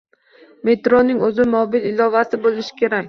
Metroning oʻzini mobil ilovasi boʻlishi kerak.